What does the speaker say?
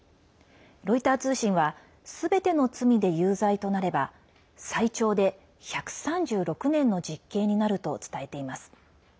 ロイター通信はすべての罪で有罪となれば最長で１３６年の実刑になると伝えています。